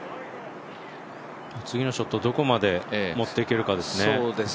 次のショット、どこまでもっていけるかですね。